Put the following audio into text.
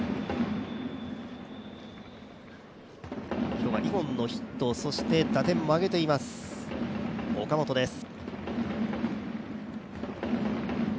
今日は２本のヒット、そして打点も挙げています、岡本です。